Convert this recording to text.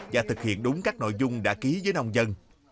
và thực hiện đúng các nội dung đã ký với nông dân